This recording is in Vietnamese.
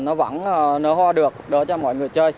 nó vẫn nở hoa được đỡ cho mọi người chơi